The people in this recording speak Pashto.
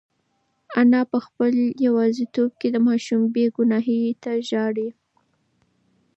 انا په خپل یوازیتوب کې د ماشوم بې گناهۍ ته ژاړي.